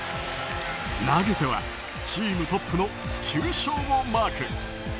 投げてはチームトップの９勝をマーク。